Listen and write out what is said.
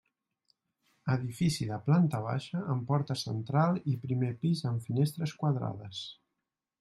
Edifici de planta baixa amb porta central i primer pis amb finestres quadrades.